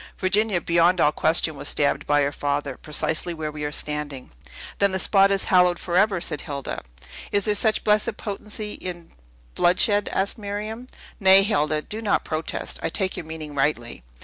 Virginia, beyond all question, was stabbed by her father, precisely where we are standing." "Then the spot is hallowed forever!" said Hilda. "Is there such blessed potency in bloodshed?" asked Miriam. "Nay, Hilda, do not protest! I take your meaning rightly."